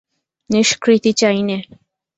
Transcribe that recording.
নিষ্কৃতি চাই নে।